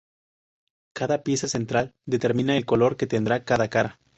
Cada pieza central determina el color que tendrá cada cara.